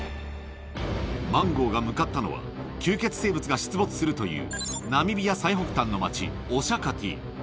マンゴーが向かったのは、吸血生物が出没するという、ナミビア最北端の町、オシャカティ。